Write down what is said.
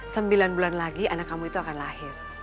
sembilan bulan lagi anak kamu itu akan lahir